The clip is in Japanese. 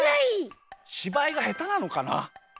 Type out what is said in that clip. しばいがへたなのかな。